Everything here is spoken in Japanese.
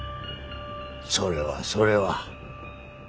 それはそれは。